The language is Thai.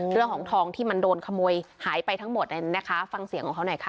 เรื่องของทองที่มันโดนขโมยหายไปทั้งหมดอันนั้นนะคะฟังเสียงของเขาหน่อยค่ะ